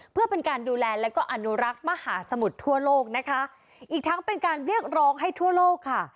เพื่อเป็นการดูแลแล้วก็อนุรักษ์มหาสมุทรทั่วโลกนะคะอีกทั้งเป็นการเรียกร้องให้ทั่วโลกค่ะ